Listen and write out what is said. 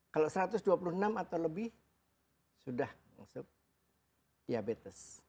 kalau satu ratus dua puluh enam atau lebih sudah masuk diabetes